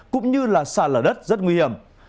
cũng như là xa lở đất rất nguy hiểm